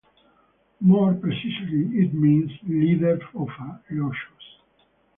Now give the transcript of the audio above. More precisely, it means "leader of a "lochos".